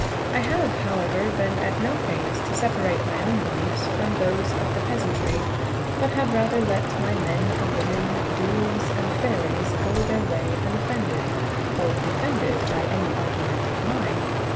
I have, however, been at no pains to separate my own beliefs from those of the peasantry, but have rather let my men and women, dhouls and faeries, go their way unoffended or defended by any argument of mine.